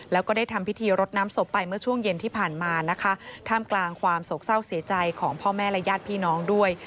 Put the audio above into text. แล้วก็ได้ทำพิธีรดน้ำศพไปเมื่อช่วงเย็นที่ผ่านมานะคะท่ามกลางความโศกเศร้าเสียใจของพ่อแม่และญาติพี่น้องด้วย